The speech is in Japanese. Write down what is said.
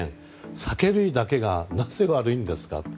酒類だけがなぜ悪いんですかと。